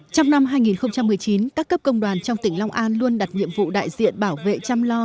trong năm hai nghìn một mươi chín các cấp công đoàn trong tỉnh long an luôn đặt nhiệm vụ đại diện bảo vệ chăm lo